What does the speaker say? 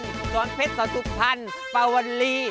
หรือร้อนเพชรสองสุภัณฑ์ปาวันลี